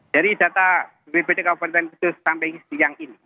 dari data bppt kabupaten kudus sampai siang ini